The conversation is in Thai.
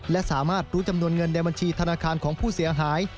และสามารถรู้จำนวนเงินในบัญชีธนาคารของผู้เสียหาย